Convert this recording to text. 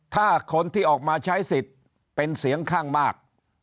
ถ้าคนที่ออกมาใช้สิทธิ์เป็นเสียงข้างมาก